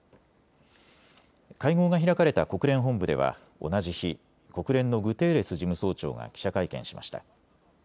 会合が開かれた国連本部では同じ日、国連のグテーレス事務総長が記者会見しました。